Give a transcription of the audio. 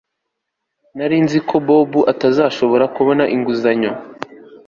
Nari nzi ko Bobo atazashobora kubona inguzanyo